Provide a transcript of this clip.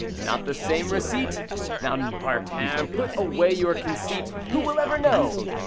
Not the same receipt? Now, Martin, put away your conceit. Who will ever know?